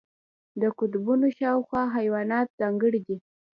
د قطبونو شاوخوا حیوانات ځانګړي دي.